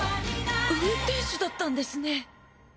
運転士だったんですね。